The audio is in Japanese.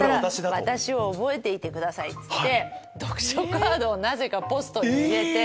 私を覚えていてください！って読書カードをなぜかポストに入れて。